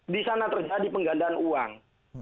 di sana terjadi penggandaan uang